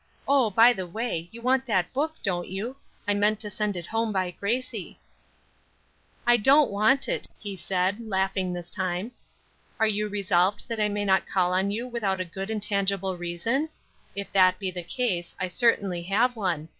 Oh, by the way, you want that book, don't you? I meant to send it home by Gracie." "I don't want it," he said, laughing this time. "Are you resolved that I may not call on you without a good and tangible reason? If that be the case, I certainly have one.